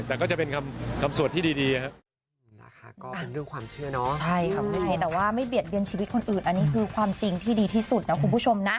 แต่ก็จะเป็นคำสวดที่ดีครับ